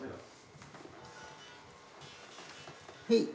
はい。